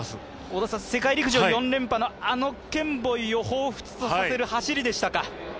織田さん、世界陸上４連覇のケンボイをほうふつとさせる走りでしたか？